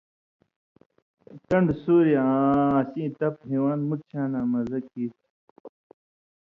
تن٘ڈوۡ سُوریۡ آں اسیں تپ ہِوان٘د مُت شاناں مزہ کیریۡ تُھو